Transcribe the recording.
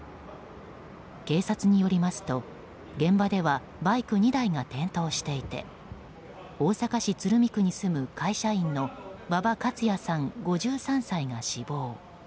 警察によりますと現場ではバイク２台が転倒していて大阪市鶴見区に住む会社員の馬場勝也さん、５３歳が死亡。